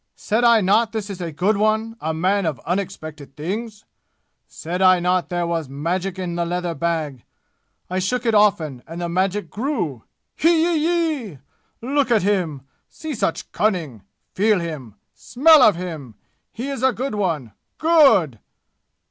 Said I not this is a good one a man of unexpected things? Said I not there was magic in the leather bag? I shook it often, and the magic grew! Hee yee yee! Look at him! See such cunning! Feel him! Smell of him! He is a good one good!"